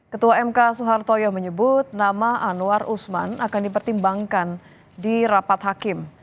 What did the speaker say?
ketua mk soehartoyo menyebut nama anwar usman akan dipertimbangkan di rapat hakim